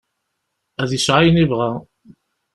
Ad yesɛu ayen yebɣa.